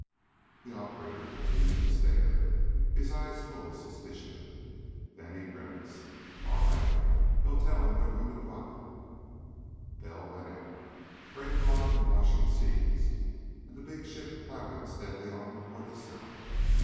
The operator continued to stare, his eyes full of suspicion. Then he grimaced. "All right. Go tell him they're going to drop it." Bell went out. Gray fog, and washing seas, and the big ship ploughing steadily on toward the south....